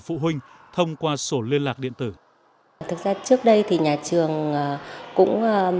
phụ huynh thông qua sổ liên lạc điện tử thực ra trước đây thì nhà trường cũng